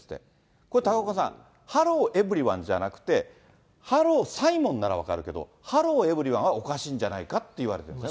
これ高岡さん、ハロー、エブリワンじゃなくて、ハロー、サイモンなら分かるけど、ハロー、エブリワンはおかしいんじゃないかっていわれてるんですね。